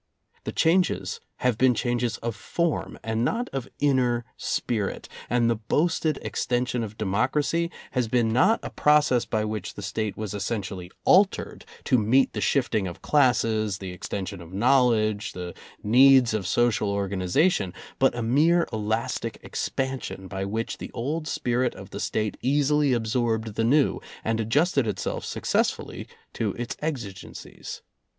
The changes have been changes of form and not of inner spirit, and the boasted extension of democracy has been not a process by which the State was essentially altered to meet the shifting of classes, the exten sion of knowledge, the needs of social organiza tion, but a mere elastic expansion by which the old spirit of the State easily absorbed the new and adjusted itself successfully to its exigencies.